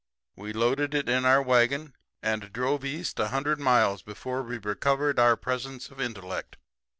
We loaded it in our wagon and drove east a hundred miles before we recovered our presence of intellect.